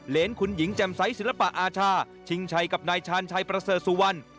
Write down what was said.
คุณหญิงแจ่มไซสศิลปะอาชาชิงชัยกับนายชาญชัยประเสริฐสุวรรณ